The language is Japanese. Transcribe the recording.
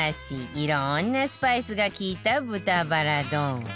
いろんなスパイスが利いた豚バラ丼